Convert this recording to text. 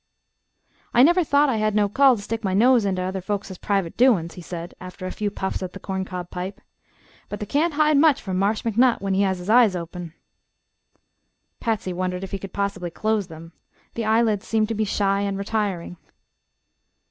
"I never thought I had no call to stick my nose inter other folkses privit doin's," he said, after a few puffs at the corncob pipe. "But they kain't hide much from Marsh McNutt, when he has his eyes open." Patsy wondered if he could possibly close them. The eyelids seemed to be shy and retiring.